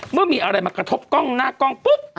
เมื่อมีอะไรมากระทบกล้องหน้ากล้องปุ๊บ